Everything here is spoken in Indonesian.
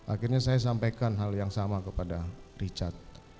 akhirnya saya sampaikan hal yang sama kepada richard